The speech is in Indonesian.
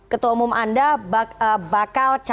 ketua umum anda bakal